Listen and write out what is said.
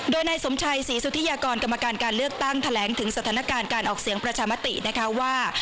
โดยนายสมชัยศรีสุธิยากรกรรมการการเลือกตั้งแถลงถึงสถานการณ์การออกเสียงประชามตินะคะว่า